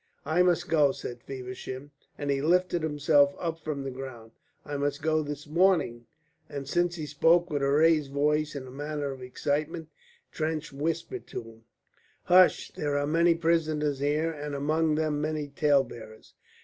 "I must go," said Feversham, and he lifted himself up from the ground. "I must go this morning," and since he spoke with a raised voice and a manner of excitement, Trench whispered to him: "Hush. There are many prisoners here, and among them many tale bearers."